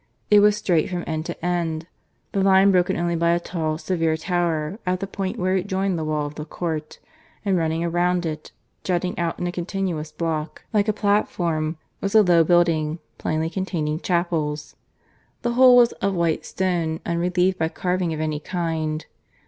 It was straight from end to end, the line broken only by a tall, severe tower at the point where it joined the wall of the court; and running round it, jutting out in a continuous block, like a platform, was a low building, plainly containing chapels. The whole was of white stone, unrelieved by carving of any kind.